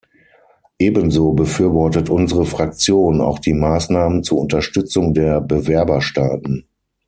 Ebenso befürwortet unsere Fraktion auch die Maßnahmen zur Unterstützung der Bewerberstaaten.